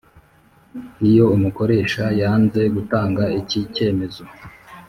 Iyo umukoresha yanze gutanga iki cyemezo